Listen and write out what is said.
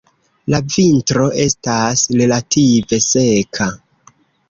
La vintro estas relative seka.